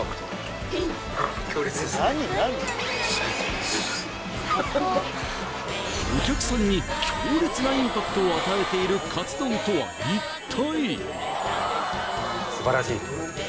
まずお客さんに強烈なインパクトを与えているかつ丼とは一体？